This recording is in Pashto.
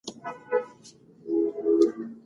موږ کولی شو د کثافاتو په سر د بریا ماڼۍ جوړه کړو.